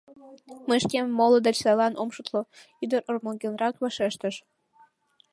— Мый шкемым моло деч сайлан ом шотло, — ӱдыр ӧрмалгенрак вашештыш.